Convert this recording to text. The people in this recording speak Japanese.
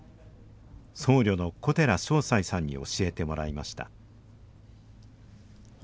僧侶の小寺照哉さんに教えてもらいました